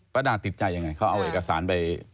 ดาติดใจยังไงเขาเอาเอกสารไป